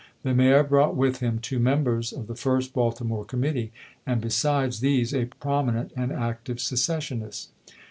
The mayor bi'ought with him two members of the first Baltimore commit tee, and besides these a prominent and active secessionist.